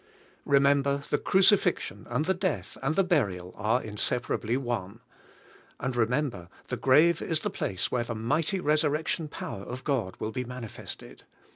Remember, the crucifixion, and the death, and the burial are inseparably one. And remember the grave is the place where the mighty resurrection power of God will be mani fested.